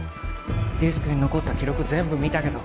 ディスクに残った記録全部見たけど